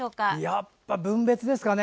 やっぱり分別ですね。